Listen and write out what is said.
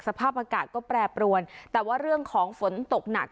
สภาพอากาศก็แปรปรวนแต่ว่าเรื่องของฝนตกหนัก